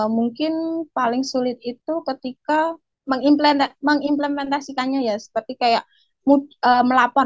mungkin paling sulit itu ketika mengimplementasikannya seperti melapor